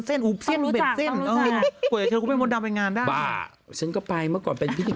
สีในตำนานมันได้เป็นสี